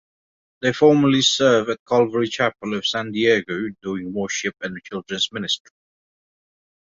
They formerly served at Calvary Chapel of San Diego doing Worship and Children's Ministry.